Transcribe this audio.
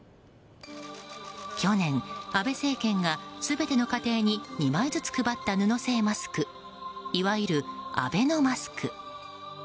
去年、安倍政権が全ての家庭に２枚ずつ配った布製マスクいわゆるアベノマスク。